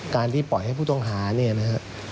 ที่ปล่อยให้ผู้ต้องหาเนี่ยนะครับ